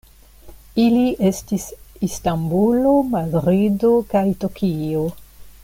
Ili estis Istanbulo, Madrido kaj Tokio.